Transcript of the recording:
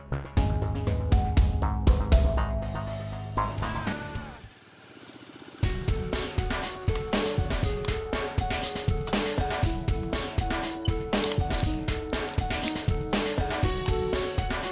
kalau kita gak bisa dapetin mereka kita hancurin mereka